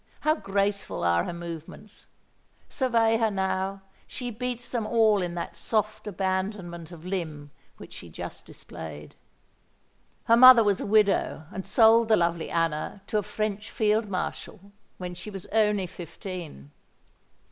How graceful are her movements: survey her now—she beats them all in that soft abandonment of limb which she just displayed. Her mother was a widow, and sold the lovely Anna to a French Field Marshal, when she was only fifteen.